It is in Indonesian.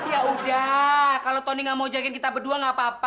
ya udah kalau tony gak mau jagain kita berdua gak apa apa